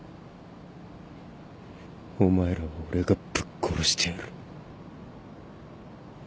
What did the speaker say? お前らは俺がぶっ殺してやる。